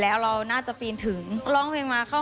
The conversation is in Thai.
แต่พอมารู้อีกรอบนึงว่า